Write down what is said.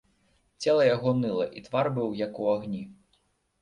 Цела яго ныла, і твар быў як у агні.